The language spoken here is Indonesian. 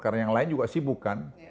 karena yang lain juga sibuk kan